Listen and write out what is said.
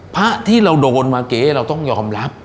พระที่เราโดนมาเก๊เราต้องยอมรับ